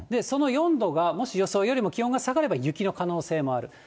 その４度が、もし予想よりも気温が下がれば、雪の可能性もある。